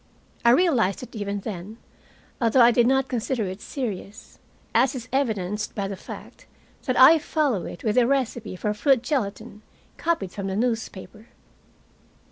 I realized it even then, although I did not consider it serious, as is evidenced by the fact that I follow it with a recipe for fruit gelatin, copied from the newspaper.